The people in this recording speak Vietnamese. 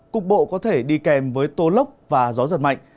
cục bộ có thể đi kèm với tô lốc và gió giật mạnh